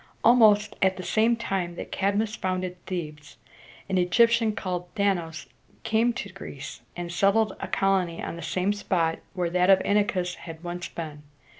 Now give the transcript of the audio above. Almost at the same time that Cadmus founded Thebes, an Egyptian called Dan´a us came to Greece, and settled a colony on the same spot where that of Inachus had once been.